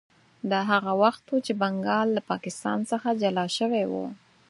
دا هغه وخت و چې بنګال له پاکستان څخه جلا شوی و.